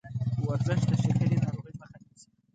ورزش د شکرې ناروغۍ مخه نیسي.